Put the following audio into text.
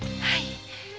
はい。